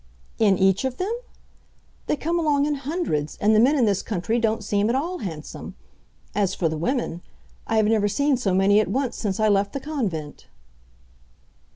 "In each of them? They come along in hundreds, and the men in this country don't seem at all handsome. As for the women—I have never seen so many at once since I left the convent."